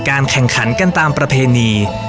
แข่งขันกันตามประเพณี